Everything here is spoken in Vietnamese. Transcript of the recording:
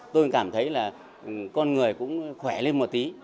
tôi cảm thấy là con người cũng khỏe lên một tí